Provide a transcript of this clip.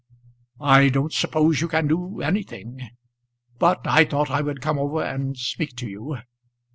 "I don't suppose you can do anything; but I thought I would come over and speak to you.